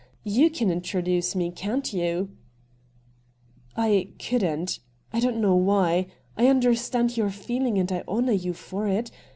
You can introduce me, can't you ?'' I couldn't. I don't know why. I under stand your feeling, and I honour you for it.